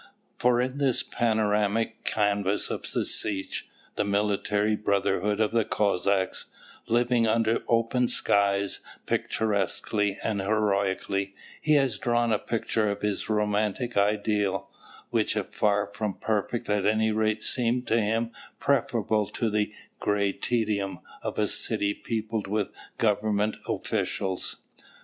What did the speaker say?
For in this panoramic canvas of the Setch, the military brotherhood of the Cossacks, living under open skies, picturesquely and heroically, he has drawn a picture of his romantic ideal, which if far from perfect at any rate seemed to him preferable to the grey tedium of a city peopled with government officials.